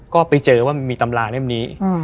ก็ไปเจอว่ามีตำราเล่มนี้